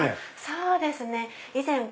そうですね以前。